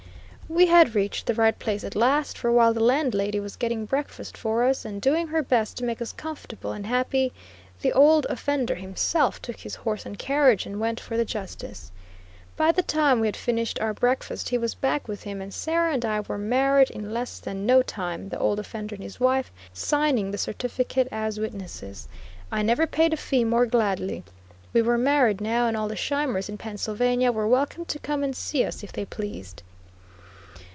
We had reached the right place at last, for while the landlady was getting breakfast for us, and doing her best to make us comfortable and happy, the Old Offender himself took his horse and carriage and went for the justice. By the time we had finished our breakfast he was back with him, and Sarah and I were married in "less than no time," the Old Offender and his wife singing the certificate as witnesses. I never paid a fee more gladly. We were married now, and all the Scheimers in Pennsylvania were welcome to come and see us if they pleased.